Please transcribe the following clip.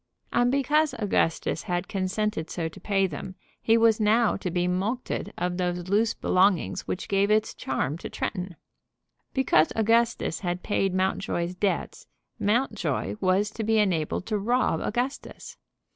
And because Augustus had consented so to pay them he was now to be mulcted of those loose belongings which gave its charm to Tretton! Because Augustus had paid Mountjoy's debts Mountjoy was to be enabled to rob Augustus!